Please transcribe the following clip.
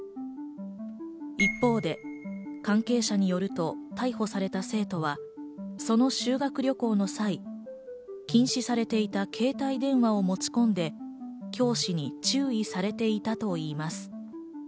一方で、関係者によると逮捕された生徒はその修学旅行の際、禁止されていた携帯電話を持ち込んで教師に注意されていたといいます。